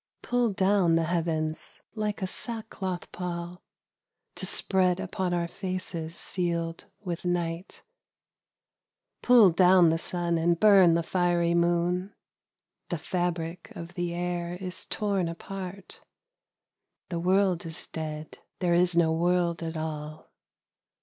Pull down the heavens like a sackcloth pall To spread upon our faces sealed with night. 1'ull down the sun and burn the fiery moon ; The fabric of the air is torn apart : The world is dead. There is no world at all.